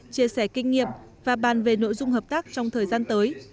chia sẻ kinh nghiệm và bàn về nội dung hợp tác trong thời gian tới